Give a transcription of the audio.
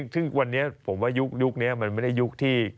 ซึ่งวันนี้ผมว่ายุคนี้มันไม่ได้ยุคที่